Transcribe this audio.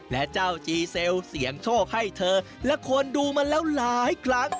และเจ้าจีเซลเสียงโชคให้เธอและคนดูมาแล้วหลายครั้ง